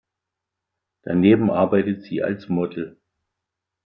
Daneben arbeitet sie als Model.